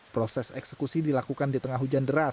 proses eksekusi dilakukan di tengah hujan deras